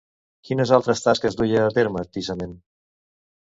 Quines altres tasques duia a terme Tisamen?